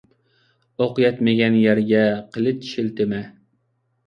ئوق يەتمىگەن يەرگە قېلىچ شىلتىمە.